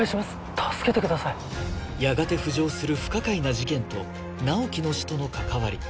助けてくださいやがて浮上する不可解な事件と直木の死との関わり